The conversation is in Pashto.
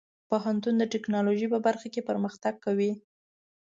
پوهنتون د ټیکنالوژۍ په برخه کې پرمختګ کوي.